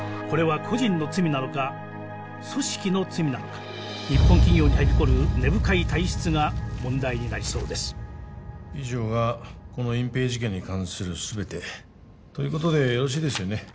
これは個人の罪なのか組織の罪なのか日本企業にはびこる根深い体質が問題になりそうです以上がこの隠蔽事件に関する全てということでよろしいですよね？